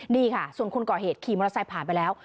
นี่ค่ะส่วนคนก่อเหตุขี่มอเตอร์ไซค์ผ่านไปแล้ว